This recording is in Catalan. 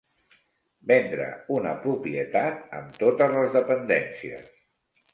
Vendre una propietat amb totes les dependències.